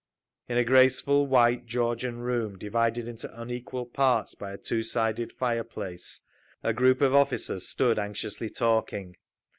In a graceful, white, Georgian room, divided into unequal parts by a two sided fire place, a group of officers stood anxiously talking.